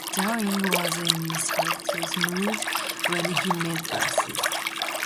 Downing was in a sarcastic mood when he met Basil.